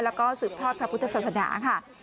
แล้วก็สืบทอดพระพุทธศาสนาค่ะ